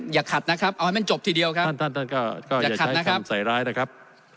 อย่าขัดนะครับเอาให้มันจบทีเดียวครับท่านท่านก็อย่าขัดนะครับใส่ร้ายนะครับ